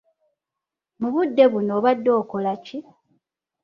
Mu budde buno obadde okola ki?